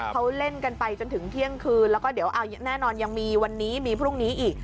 เขาเล่นกันไปจนถึงเที่ยงคืนแล้วก็เดี๋ยวเอาแน่นอนยังมีวันนี้มีพรุ่งนี้อีก